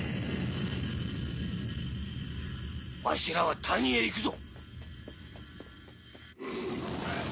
わしらは谷へ行くぞ！